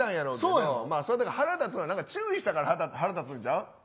腹立つのは注意したら腹立つんちゃう。